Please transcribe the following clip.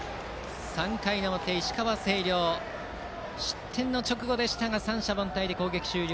３回表、石川・星稜失点の直後でしたが三者凡退で攻撃終了。